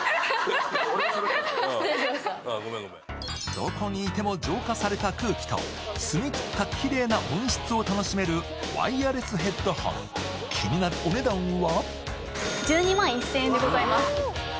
どこにいても浄化された空気と澄みきったきれいな音質を楽しめるワイヤレスヘッドホン、気になるお値段は？